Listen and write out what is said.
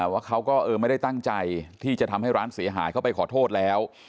ว่าเขาก็ไม่ได้ตั้งใจที่จะทำให้ร้านเสียหายเขาไปขอโทษแล้ว